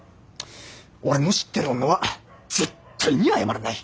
俺の知ってる女は絶対に謝らない。